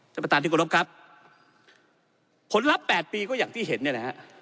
ท่านประตาธิกรรมครับผลลัพธ์แปดปีก็อย่างที่เห็นนี่แหละฮะ